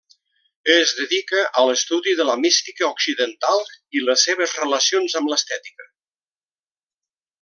Es dedica a l'estudi de la mística occidental i les seves relacions amb l'estètica.